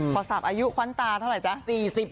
พอสับอายุควันตาเท่าไหร่จ๊ะ